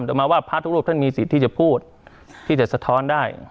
ต่อมาพระทุกฬูกตั้งนี้มีสิทธิ์ึกษฒรีจะพูดว่าสถอนได้